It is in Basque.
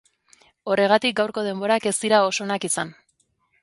Horregatik gaurko denborak ez dira oso onak izan.